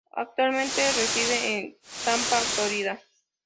Actualmente Reside en Tampa, Florida.